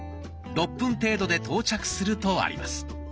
６分程度で到着するとあります。